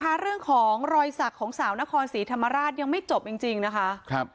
ค่ะเรื่องของรอยสักของสาวนครศรีธรรมราชยังไม่จบจริงจริงนะคะครับ